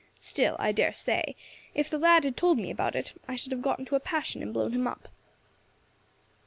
Still, I dare say, if the lad had told me about it I should have got into a passion and blown him up."